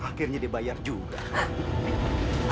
akhirnya dibayar juga